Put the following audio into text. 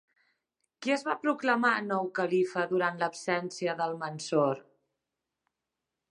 Qui es va proclamar nou califa durant l'absència d'Almansor?